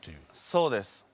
そうです。